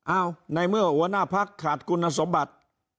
ในเมื่อหัวหน้าพักขาดคุณสมบัติ